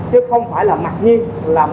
chứ không phải là mặc nhiên là một trăm linh